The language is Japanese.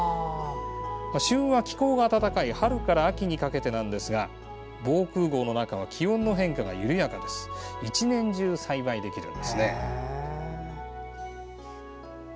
旬は気候が暖かい春から秋にかけてですが防空壕の中は気温の変化が緩やかなので１年中、栽培できます。